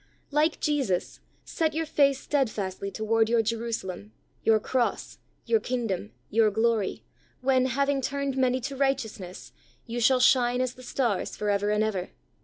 Like Jesus, set your face steadfastly toward your Jerusalem, your cross, your kingdom, your glory, when, having turned many to righteousness, you "shall shine as the stars for ever and ever."